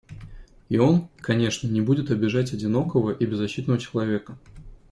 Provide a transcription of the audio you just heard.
И он, конечно, не будет обижать одинокого и беззащитного человека.